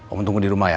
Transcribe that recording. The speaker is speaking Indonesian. om tunggu dirumah ya